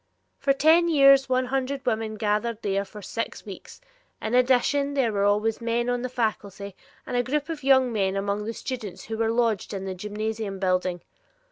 For ten years one hundred women gathered there for six weeks, in addition there were always men on the faculty, and a small group of young men among the students who were lodged in the gymnasium building.